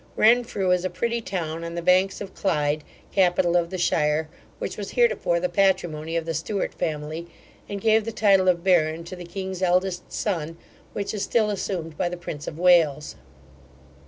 Renfrew is a pretty town, on the banks of Clyde, capital of the shire, which was heretofore the patrimony of the Stuart family, and gave the title of baron to the king's eldest son, which is still assumed by the prince of Wales.